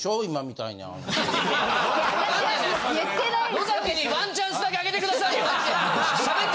野崎にワンチャンスだけあげて下さいよ！